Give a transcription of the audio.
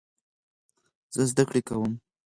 زه زده کړې کوم.